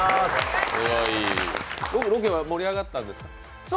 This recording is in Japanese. ロケは盛り上がったんですか。